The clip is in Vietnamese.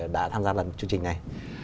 đã tham gia lần chương trình này